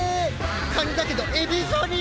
カニだけどエビぞり。